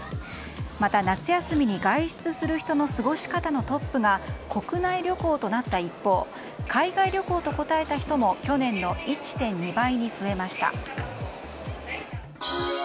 また、夏休みに外出する人の過ごし方のトップが国内旅行となった一方海外旅行と答えた人も去年の１．２倍に増えました。